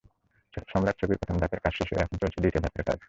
সম্রাট ছবির প্রথম ধাপের কাজ শেষ হয়ে এখন চলছে দ্বিতীয় ধাপের কাজ।